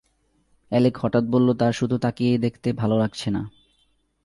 Alec হঠাৎ বলল তার শুধু তাকিয়ে দেখতে ভালো লাগছে না।